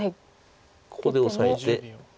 ここでオサえて。